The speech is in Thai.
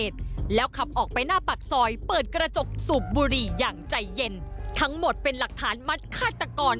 ทั้งหมดเป็นหลักฐานมัดฆาตกร